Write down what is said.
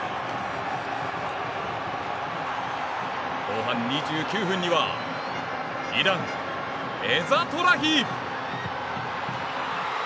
後半２９分には、イランエザトラヒ！